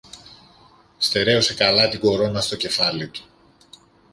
Στερέωσε καλά την κορώνα στο κεφάλι του